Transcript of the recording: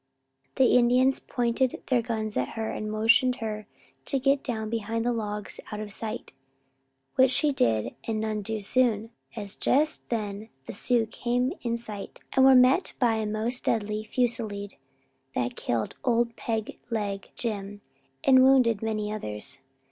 The Indians pointed their guns at her, and motioned her to get down behind the logs out of sight, which she did and none too soon, as just then the Sioux came in sight and were met by a most deadly fusilade that killed Old Peg Leg Jim and wounded many others.